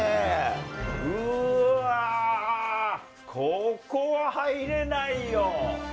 うーわー、ここは入れないよ。